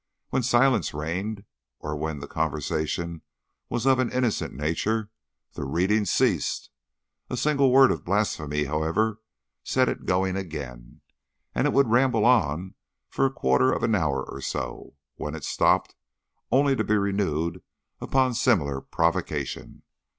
When silence reigned, or when the conversation was of an innocent nature, the reading ceased. A single word of blasphemy, however, set it going again, and it would ramble on for a quarter of an hour or so, when it stopped, only to be renewed upon similar provocation.